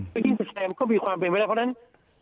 หรือแพลตฟอร์มก็มีความเป็นไม่ได้เพราะฉะนั้น